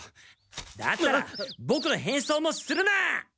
だったらボクの変装もするな！